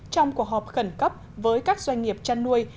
trong cuộc họp khẩn cấp với các doanh nghiệp chăn nuôi